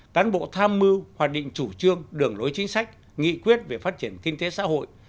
cán bộ tham mưu hoạt định chủ trương đường lối chính sách nghị quyết về phát triển kinh tế xã hội